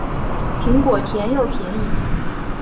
苹果甜又便宜